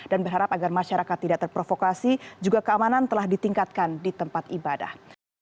berharap agar masyarakat tidak terprovokasi juga keamanan telah ditingkatkan di tempat ibadah